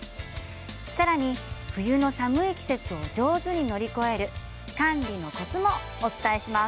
さらに冬の寒い季節を上手に乗り越える管理のコツもお伝えします。